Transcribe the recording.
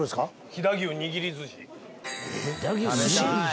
「飛騨牛握り寿司？」